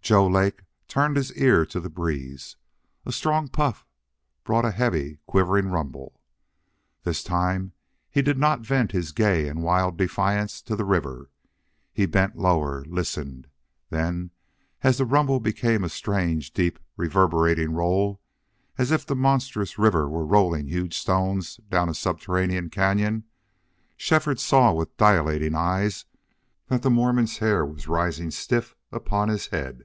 Joe Lake turned his ear to the breeze. A stronger puff brought a heavy, quivering rumble. This time he did not vent his gay and wild defiance to the river. He bent lower listened. Then as the rumble became a strange, deep, reverberating roll, as if the monstrous river were rolling huge stones down a subterranean cañon, Shefford saw with dilating eyes that the Mormon's hair was rising stiff upon his head.